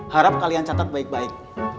harap kalian catat baik baik